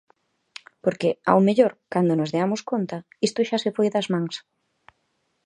Porque, ao mellor, cando nos deamos conta, isto xa se foi das mans.